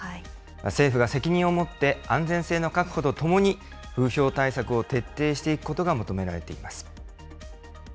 政府が責任を持って安全性の確保とともに、風評対策を徹底していくことが求められています。